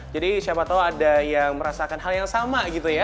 jadi siapa tau ada yang merasakan hal yang sama gitu ya